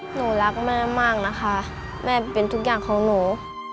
หนูรักแม่มากนะคะแม่เป็นทุกอย่างของหนู